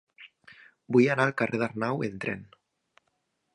Vull anar al carrer d'Arnau amb tren.